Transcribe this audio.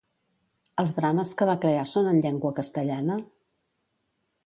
Els drames que va crear són en llengua castellana?